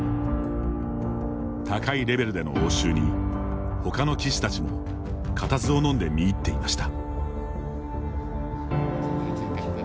高いレベルでの応酬にほかの棋士たちも固唾をのんで見入っていました。